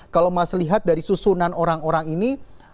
kalau mas lihat dari susunan orang orang ini